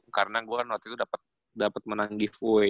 karena gua kan waktu itu dapat menang giveaway